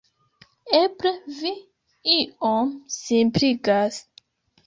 Eble vi iom simpligas.